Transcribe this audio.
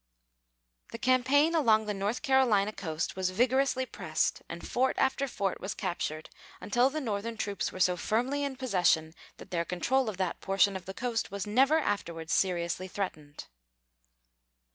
The campaign along the North Carolina coast was vigorously pressed, and fort after fort was captured, until the Northern troops were so firmly in possession that their control of that portion of the coast was never afterwards seriously threatened.